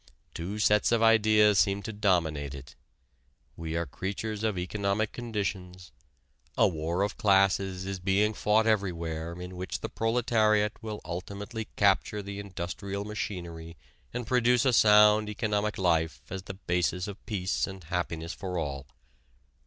Two sets of idea seem to dominate it: we are creatures of economic conditions; a war of classes is being fought everywhere in which the proletariat will ultimately capture the industrial machinery and produce a sound economic life as the basis of peace and happiness for all.